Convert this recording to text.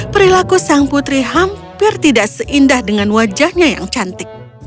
perilaku sang putri hampir tidak seindah dengan wajahnya yang cantik